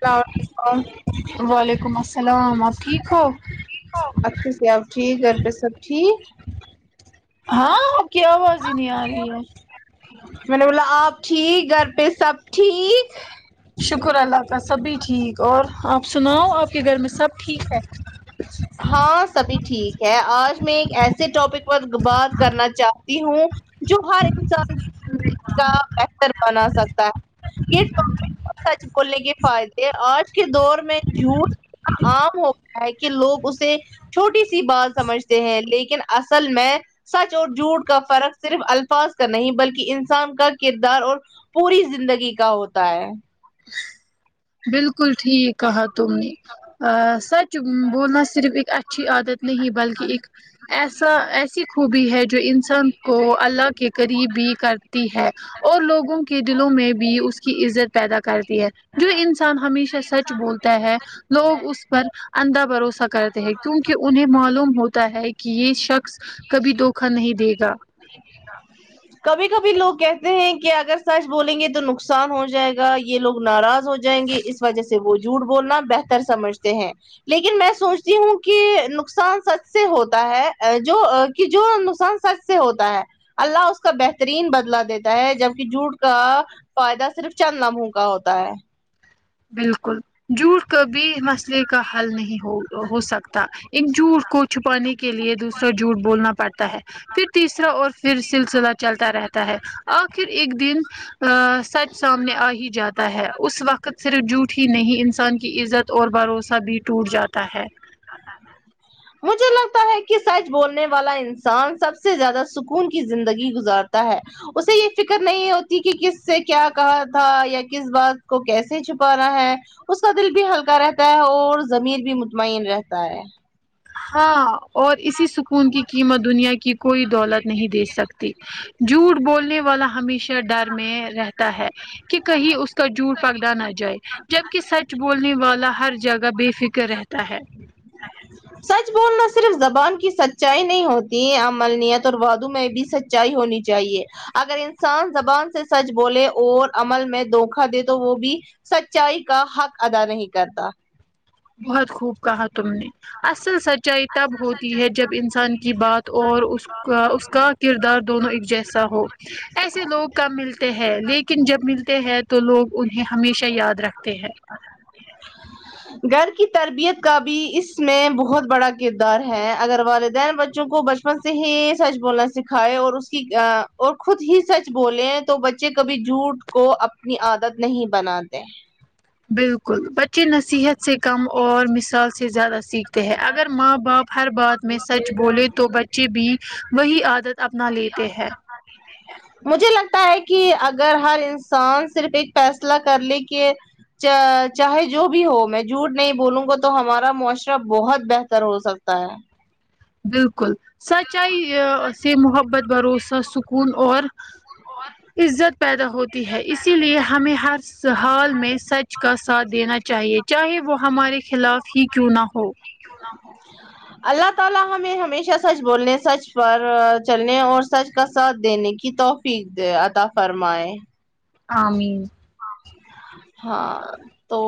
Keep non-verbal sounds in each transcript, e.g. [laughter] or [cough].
السلام علیکم وعلیکم السلام آپ ٹھیک ہو آپ ٹھیک گھر پہ سب ٹھیک ہاں آپکی آواز ہی نہیں آ رہی ہے میں نے بولا آپ ٹھیک گھر پہ سب ٹھیک شکر اللہ کا سبھی ٹھیک اور آپ سناؤ آپ کے گھر میں سب ٹھیک ہے ہاں سبھی ٹھیک ہے آج میں ایک ایسے ٹاپک پر بات کرنا چاہ تی ہوں جو ہر انسان کی زندگی کا بہتر بنا سکتا ہے یہ سچ بولنے کے فائدے آج کے دور میں جھوٹ عام ہو گیا ہے کہ لوگ اسے چھوٹی سی بات سمجھتے ہیں لیکن اصل میں سچ اور جھوٹ کا فرق صرف الفاظ کا نہیں بلکہ انسان کا کردار اور پوری زندگی کا ہوتا ہے بالکل ٹھیک کہا تم نے اہ سچ بولنا صرف ایک اچھی عادت نہیں بلکہ ایک ایسا ایسی خوبی ہے جو انسان کو اللہ کے قریب بھی کرتی ہے اور لوگوں کے دلوں میں بھی اس کی عزت پیدا کرتی ہے جو انسان انسان ہمیشہ سچ بولتا ہے لوگ اس پر اندھا بھروسہ کرتے ہیں کیونکہ انہیں معلوم ہوتا ہے کہ یہ شخص کبھی دھوکا نہیں دے گا نہیں دے گا کبھی کبھی لوگ کہتے ہیں کہ اگر سچ بولیں گے تو نقصان ہو جائے گا یہ لوگ ناراض ہو جائیں گے اس وجہ سے وہ جھوٹ بولنا بہتر سمجھتے ہیں لیکن میں سوچتی ہوں کہ نقصان سچ سے ہوتا ہے جو کہ جو نقصان سچ سے ہوتا ہے اللہ اس اس کا بہترین بدلا دیتا ہے جبک جوٹ کا فائدہ صرف چند لمحوں کا ہوتا ہے بالکل جھوٹ کبھی مسئلے کا حل نہیں ہو ہو سکتا ایک جھوٹ کو چھپانے کے لیے دوسرا جھوٹ بولنا پڑتا ہے پھر تیسرا اور پھر سلسلہ چلتا رہتا ہے آخر ایک دن ا سچ سامنے آ ہی جاتا ہے اس وقت صرف جھوٹ ہی نہیں انسان کی عزت اور بھروسہ بھی ٹوٹ جاتا ہے مجھ تو تا ہے کہ سچ بولنے والا انسان سب سے زیادہ سکون کی زندگی گزارتا ہے اسے یہ فکر نہیں ہوتی کہ کس سے کیا کہا تھا یا کس بات کو کیسے چھپانا ہے اس کا دل بھی ہلکا رہتا ہے اور ضمیر بھی مطمین رہتا ہے ہاں اور اسی سکون کی قیمت دنیا کی کوئی دولت نہیں دے سکتی جھوٹ بولنے والا ہمیشہ ڈر میں رہتا ہے کہ کہیں اس کا جھوٹ پکڑا نہ جائے جبکے سچ بولنے والا ہر جگہ بے فکر رہتا ہے سچ بولنا صرف زبان کی سچائی نہیں ہوتی عمل نیت اور وادوں میں بھی سچائی ہونی چاہیے اگر انسان زبان سے سچ بولے اور عمل میں دھوکا دے تو وہ بھی سچائی کا حق ادا نہیں کرتا بہت خوب کہا تم نے اصل سچائی تب ہوتی ہے جب انسان کی بات اور اس کہ اس کا کردار دونوں ایک جیسا ہو ایسے لوگ کم ملتے ہیں لیکن جب ملتے ہیں تو لوگ انہیں ہمیشہ یاد رکھتے ہیں [unintelligible] گھر کی تربیت کا بھی اس میں بہت بڑا کردار ہے اگر والدین بچوں کو بچ بچپن سے ہی سچ بولنا سکھائے اور اس کی ا اور خود ہی سچ بولے تو بچے کبھی جھوٹ کو اپنی عادت نہیں بناتے ہیں بالکل بٹ بچے نصیحت سے کم اور مثال سے زیادہ سیکھتے ہیں اگر ماں باپ ہر بات میں سچ بولے تو بچے بھی وہی عادت اپنا لیتے ہیں [unintelligible] مجھے لگتا ہے کہ اگر ہر انسان صرف ایک فیصلہ کر لے کے چا چاہے جو بھی ہو میں جھوٹ نہیں بولوں گا تو ہمارا معاشرہ بہت بہتر ہو سکتا ہے بالکل سچائی ا سے محبت بھروسہ سکون اور عزت پیدا ہوتی ہے اسی لیے ہمیں ہس حال میں سچ کا ساتھ دینا چاہیے چاہے وہ ہمارے خلاف ہی کیوں نہ ہو اللہ تعالی ہمیں ہمیشہ سچ بولنے سچ پر چلنے اور سچ کا ساتھ دینے کی توف پید عطا فرمائیں امین ہاں تو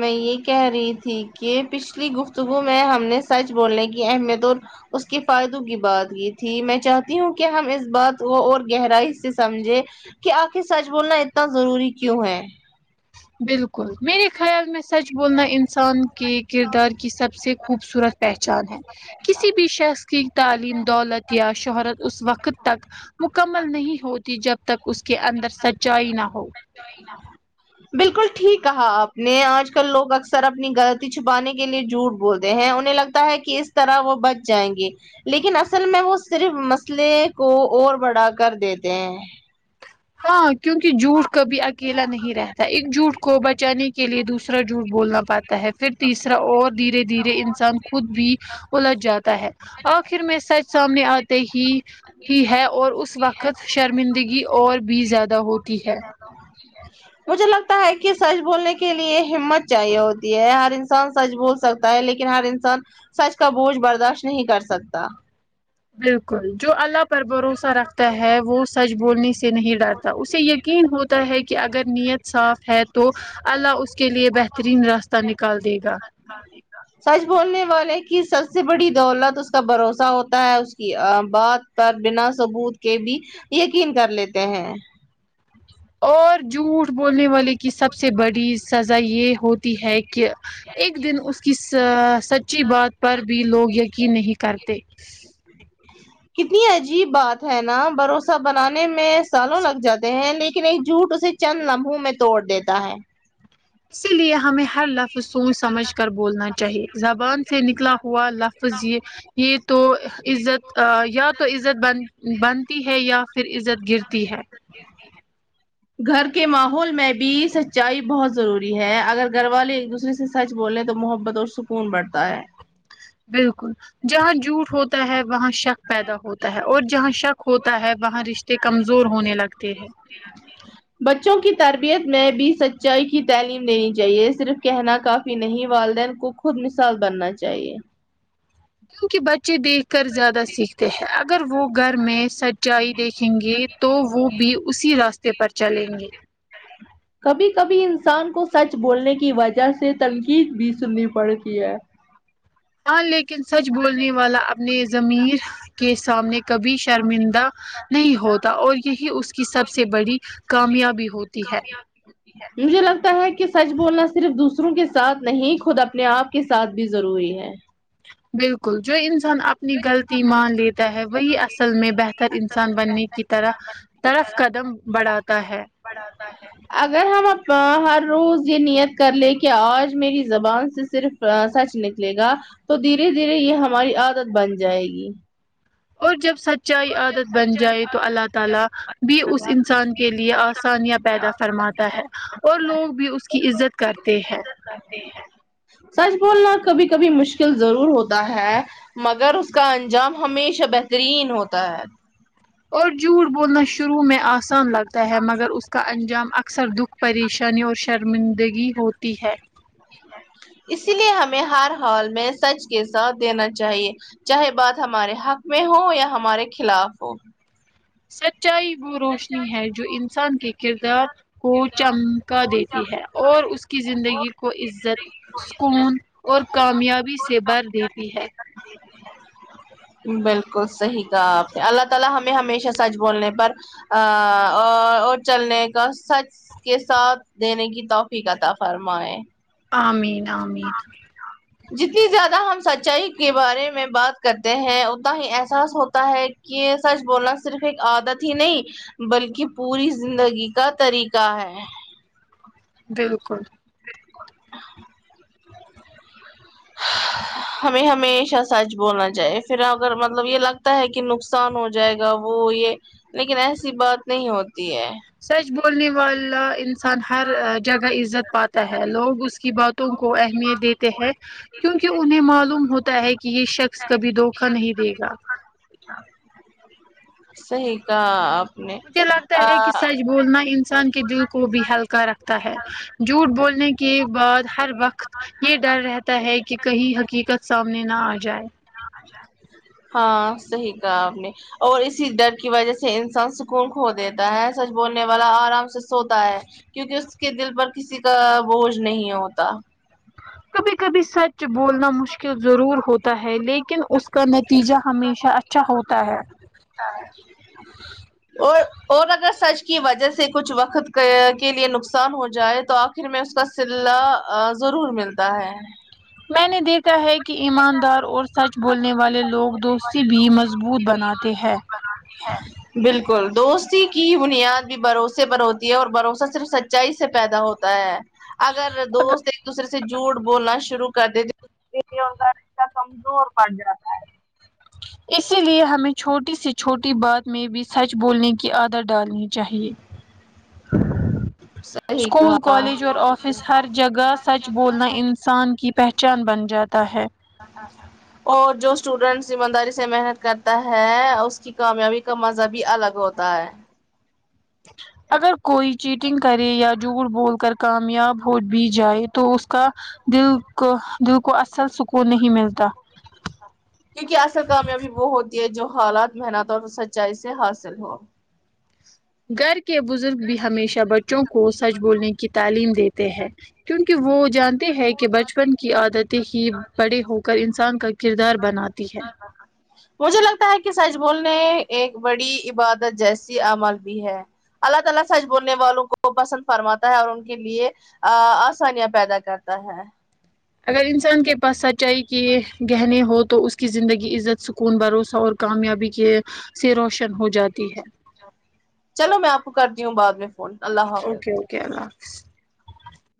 میں یہ کہہ رہی تھی کہ پچھلی گفتگو میں ہم نے سچ بولنے کی اہمیت اور اس کے فائدوں کی بات کی تھی میں چاہتی ہوں کہ ہم اس بات کو اور گہرائی سے سمجھے کہ آخر سچ بولنا اتنا ضروری کیوں ہے بالکل میرے خیال میں سچ بولنا انسان کے کردار کی سب سے خوبصورت پہچان ہے کسی بھی شخص کی تعلیم دولت یا شہرت اس وقت تک مکمل نہیں ہوتی جب تک اس کے اندر سچائی نہ ہو بالکل ٹھیک کہا آپ نے آج کل لوگ اکثر اپنی غلطی چھپانے کے لیے جھوٹ بولتے ہیں انہیں لگتا تا ہے کہ اس طرح وہ بچ جائیں گے لیکن اصل میں وہ صرف مسئلے کو اور بڑا کر دیتے ہیں ہاں کیونکہ جھوٹ کبھی اکیلا نہیں رہتا ایک جھوٹ کو بچانے کے لیے دوسرا جھوٹ بولنا پڑھتا ہے پھر تیسرا اور دھیرے دھیرے انسان خود بھی الجھ جاتا ہے آخر میں سچ سامنے آتے ہی ہی ہے اور اس وقت شرمندگی اور بھی زیادہ ہوتی ہے [unintelligible] مجھے لگتا ہے کہ سچ بولنے کے لیے ہمت چاہیے ہوتی ہے ہر انسان سچ بول سکتا ہے لیکن ہر انسان سچ کا بوجھ برداشت نہیں کر سکتا بالکل جو اللہ پر بھروسہ رکھتا ہے وہ سچ بولنے سے نہیں ڈر تا اسے یقین ہوتا ہے کہ اگر نیت صاف ہے تو اللہ اس کے لیے بہترین راستہ نکال دے گا [unintelligible] سچ بولنے والے کی سب سے بڑی دولت اس کا بھروسہ ہوتا ہے اس کی ا بات پر بناءثبوت کے بھی یقین کر لیتے ہیں اور جھوٹ بولنے والے کی سب سے بڑی سزا یہ ہوتی ہے کہ ایک دن اس کی سا سچی بات پر بھی لوگ یقین نہیں کرتے کتنی عجیب بات ہے نا بھروسہ بنانے میں سالوں لگ جاتے ہیں لیکن ایک جھوٹ اسے چند لمحوں میں توڑ دیتا ہے اسی لیے ہمیں ہر ل فظ سوچ سمجھ کر بولنا چاہیے زبان سے نکلا ہوا لفظ یہ یہ تو عزت یا تو عزت بن بنتی ہے یا پھر عزت گرتی ہے گھر کے ماحول میں بھی سچائی بہت ضروری ہے اگر گھر والے ایک دوسرے سے سچ بولیں تو محبت اور سکون بڑھتا ہے بالکل جہاں جھوٹ ہوتا ہے وہاں ش شک پیدا ہوتا ہے اور جہاں شک ہوتا ہے وہاں رشتے کمزور ہونے لگتے ہیں [unintelligible] بچوں کی تربیت میں بھی سچائی کی تعلیم دینی چاہیے صرف کہنا کا فی نہیں والدین کو خود مثال بننا چاہیے کیونکہ بچے دیکھ کر زیادہ سیکھتے ہیں اگر وہ گھر میں سچائی دیکھیں گے تو وہ بھی اسی راستے پر چلیں گے کبھی کبھی انسان کو سچ بولنے کی وجہ سے تنقید بھی سننی پڑتی ہے ہاں لیکن سچ بولنے والا اپنے ضمیر کے سامنے کبھی شرمندہ نہیں ہوتا اور یہی اس کی سب سے بڑی کامیابی ہوتی ہے کامیاب مجھے لگتا ہے کہ سچ بولنا صرف دوسروں کے ساتھ نہیں خود اپنے آپ کے ساتھ بھی ضروری ہے بالکل جو انسان اپنی غلطی مان لیتا ہے وہی اصل میں بہہ تر انسان بننے کی طرح طرف قدم بڑھاتا ہے ھاتاہے اگر ہم اب ا ہر روز یہ نیت کر لیں کہ آج میری زبان سے صرف ا سچ نکلے گا تو دھیرے دھیرے یہ ہماری عادت بن جائے گی اور جب سچ چائی عادت بن جائے تو اللہ تعالی بھی اس انسان کے لیے آسانیاں پیدا فرما تا ہے اور لوگ بھی اس کی عزت کرتے ہیں سچ بولنا کبھی کبھی مشکل ضرور ہوتا ہے مگر اس کا انجام ہمیشہ بہترین ہوتا ہے اور جھوٹ بولنا شروع میں آسان لگتا ہے مگر اس کا انجام اکثر دکھ پریشانی اور شرمندگی ہوتی ہے اسلیے ہمیں ہر ہال میں سچ کے ساتھ دینا چاہیے چاہے بات ہمارے حق میں ہو یا ہمارے خلاف ہو سچائی وہ روشنی ہے جو انسان کے کردار کو چم کا دیتی ہے اور اس کی زندگی کو عزت سکون اور کامیابی سے بھر دیتی ہے بالکل صحیح کہا آپ نے اللہ تعالی ہمیں ہمیشہ سچ بولنے پر آ آ اور چلنے کا سچ کے ساتھ دینے کی توفیق عطا فرمائے امین امین جتنی زیادہ ہم سچائی کے بارے میں بات کرتے ہیں اتنا ہی احساس ہوتا ہے کہ یہ سچ بولنا صرف ایک عادت ہی نہیں بلکہ پوری زندگی کا طریقہ ہے بالکل ہمیں ہمیشہ سچ بولنا چاہیے پھر اگر مطلب یہ لگتا ہے کہ نقصان ہو جائے گا وہ یہ لیکن ایسی بات نہیں ہوتی ہے سچ بولنے والا انسان انسان ہر جگہ عزت پاتا ہے لوگ اس کی باتوں کو اہمیت دیتے ہیں کیونکہ انہیں معلوم ہوتا ہے کہ یہ شخص کبھی دھوکا نہیں دے گا صحیح کہا آپ نے مجھے لگتا ہے کہ سچ بولنا انسان کے دل کو بھی ہلکا رکھتا ہے جھوٹ بولنے کے بعد ہر وقت یہ ڈر رہتا ہے کہ کہی حقیقت سامنے نہ آ جائے [inaudible] ہاں صحیح کہا آپ نے اور اسی ڈر کی وجہ سے انسان سکون کھو دیتا ہے سچ بولنے والا آرام سے سوتا ہے کیونکہ اس کے دل پر کسی کا بوجھ نہیں ہوتا کبھی کبھی سچ بولنا مشکل ضرور ہوتا ہے لیکن اس کا نتیجہ ہمیشہ اچ اچھا ہوتا ہے ہاں [inaudible] [inaudible] اور اور اگر سچ کی وجہ سے کچھ وقت کے لیے نقصان ہو جائے تو آپ پھر میں اس کا سلہ ضرور ملتا ہے میں نے دیکھا ہے کہ ایماندار اور سچ بولنے والے لوگ دوستی بھی مضبوط بناتے ہیں ہاں بالکل دوستی کی بنیاد بھی بھروسے پر ہوتی ہے اور بھروسہ صرف سچائی سے پیدا ہوتا ہے اگر دوست ایک دوسرے سے جھوٹ بولنا شروع کر دیتے تو انکا رشتہ کمزور پڑ جاتا اسیلیے ہمیں چھوٹی سے چھوٹی بات میں بھی سچ بولنے کی عادت ڈالنی چاہیے [inaudible] [unintelligible] اسکول کہا کالج اور آفس ہر جگہ سچ بولنا انسان کی پہچان بن جاتا ہے اور جو اسٹوڈینٹ ایمانداری سے محنت کرتا ہے اس کی کامیابی کا مزہ بھی الگ ہوتا ہے اگر کوئی چیٹنگ کرے یا جھوٹ بول کر کامیاب ہو بھی جائے تو اس کا دل کو دل کو اصل سکون نہیں ملتا کیونکہ اصل کامیابی وہ ہوتی ہے جو حالات محنت اور سچائی سے حاصل ہو گھر کے بزرگ بھی ہمیشہ بچوں کو سچ بولنے کی تعلیم دیتے ہیں کیونکہ وہ جان تے ہیں کہ بچپن کی عادتیں ہی بڑے ہو کر انسان کا کردار بناتی ہیں مجھے لگتا ہے کہ سچ بولنے ایک بڑی عبادت جیسی عمل بھی ہے اللہ تعالی سچ بولنے والوں کو پسند فرماتا ہے اور ان کے لیے ا آسانیاں پیدا کرتا ہے اگر انسان کے پاس سچائی کے گہنے ہو تو اس کی زندگی عزت سکون بھروسہ اور کامیابی کے سے روشن ہو جا چلو میں آپ کو کرتی ہوں بعد میں فون اللہ حافظ اوکے اوکے اللہ حافظ